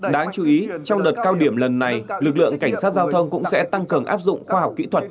đáng chú ý trong đợt cao điểm lần này lực lượng cảnh sát giao thông cũng sẽ tăng cường áp dụng khoa học kỹ thuật